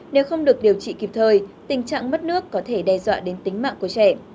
nếu không được điều trị kịp thời tình trạng mất nước có thể đe dọa đến tính mạng của trẻ